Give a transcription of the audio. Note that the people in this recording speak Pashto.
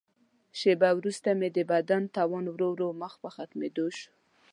شیبه وروسته مې د بدن توان ورو ورو مخ په ختمېدو شو.